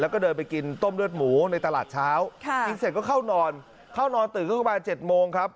แล้วก็เดินไปกินต้มเลือดหมูในตลาดเช้ากินเสร็จก็เข้านอนเข้านอนตื่นขึ้นมา๗โมงครับ